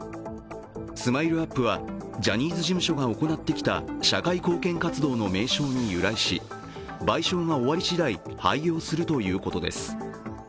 ＳＭＩＬＥ−ＵＰ．は、ジャニーズ事務所が行ってきた社会貢献活動の名称に由来し賠償が終わり次第、廃業するということです。